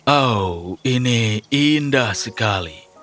oh ini indah sekali